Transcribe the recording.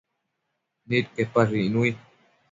Nidquepash icnui